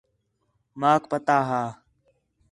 ماک پتہ ہا